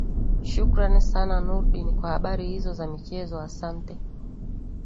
shukran sana nurdin kwa habari hizo za michezo asante